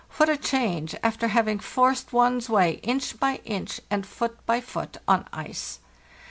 What a change, after having forced one's way inch by inch and foot by foot on ice!